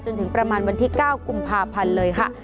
จนถึงประมาณวันที่๙กุมภาพันธ์เลยค่ะ